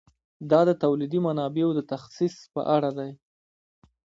دا د تولیدي منابعو د تخصیص په اړه دی.